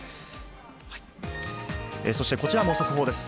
そして、こちらも速報です。